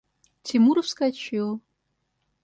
Тимур вскочил.